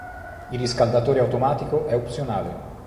Il riscaldatore automatico è opzionale.